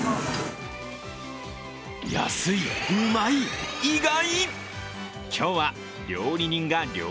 安い、うまい、意外！